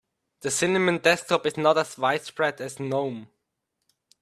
The cinnamon desktop is not as widespread as gnome.